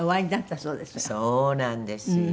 そうなんですよ。